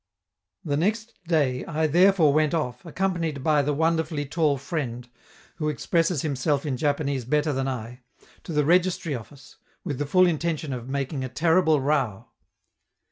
The next day I therefore went off, accompanied by "the wonderfully tall friend" who expresses himself in Japanese better than I to the registry office, with the full intention of making a terrible row.